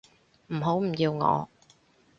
唔好唔要我